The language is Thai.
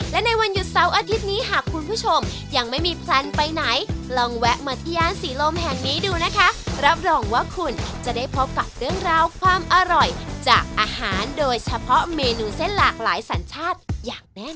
และในวันหยุดเสาร์อาทิตย์นี้หากคุณผู้ชมยังไม่มีแพลนไปไหนลองแวะมาที่ย่านศรีลมแห่งนี้ดูนะคะรับรองว่าคุณจะได้พบกับเรื่องราวความอร่อยจากอาหารโดยเฉพาะเมนูเส้นหลากหลายสัญชาติอย่างแน่นอ